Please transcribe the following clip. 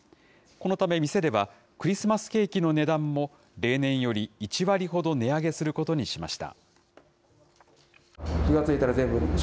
このため店では、クリスマスケーキの値段も例年より１割ほど値上げすることにしました。